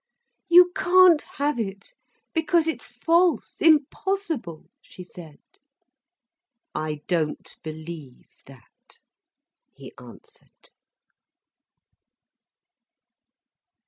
"You can't have it, because it's false, impossible," she said. "I don't believe that," he answered.